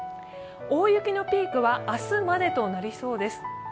大雪のピークは明日までとなりそうです。